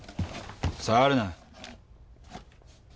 触るな。